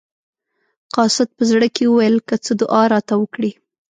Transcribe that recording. قاصد په زړه کې وویل که څه دعا راته وکړي.